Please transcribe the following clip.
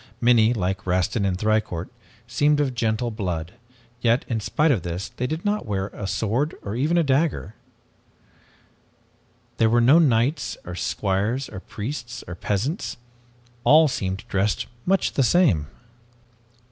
Many, like Rastin and Thicourt, seemed of gentle blood, yet, in spite of this, they did not wear a sword or even a dagger. There were no knights or squires, or priests or peasants. All seemed dressed much the same.